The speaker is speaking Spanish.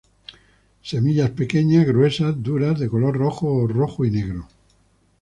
Semillas pequeñas, gruesas, duras, de color rojo o rojo y negro.